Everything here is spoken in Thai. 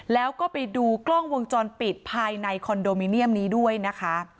แล้วก็ไปดูกล้องวงจรปิดภายในคอนโดมิเนียมนี้ด้วยนะคะ